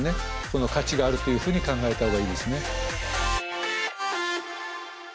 価値があるというふうに考えたほうがいいですね。